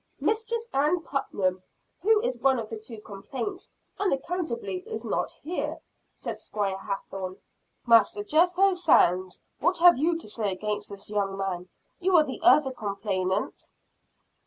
"Mistress Ann Putnam, who is one of the two complainants, unaccountably is not here," said Squire Hathorne. "Master Jethro Sands, what have you to say against this young man? You are the other complainant."